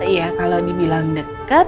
iya kalau dibilang dekat